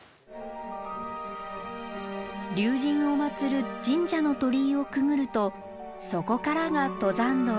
竜神を祀る神社の鳥居をくぐるとそこからが登山道。